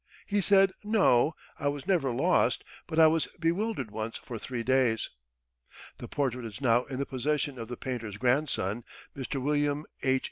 He said 'No, I was never lost, but I was bewildered once for three days.'" The portrait is now in the possession of the painter's grandson, Mr. William H.